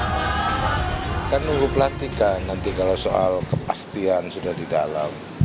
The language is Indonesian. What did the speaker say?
kita nunggu pelantikan nanti kalau soal kepastian sudah di dalam